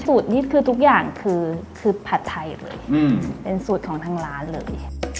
สูตรนี่คือทุกอย่างคือผัดไทยเลยเป็นสูตรของทางร้านเลย